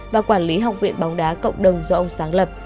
và quản lý học viện bóng đá cộng đồng do ông sáng lập